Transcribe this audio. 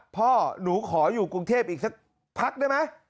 พ่อหนูขออยู่กรุงเทพอีกสักพักได้ไหม